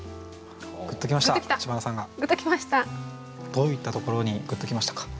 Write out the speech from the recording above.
どういったところにグッときましたか？